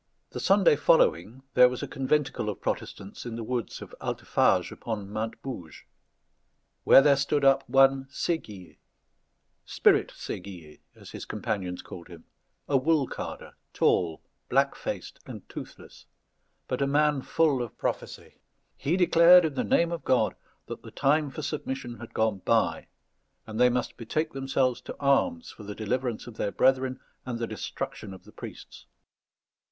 The Sunday following, there was a conventicle of Protestants in the woods of Altefage upon Mount Bouges; where there stood up one Séguier Spirit Séguier, as his companions called him a wool carder, tall, black faced, and toothless, but a man full of prophecy. He declared, in the name of God, that the time for submission had gone by, and they must betake themselves to arms for the deliverance of their brethren and the destruction of the priests.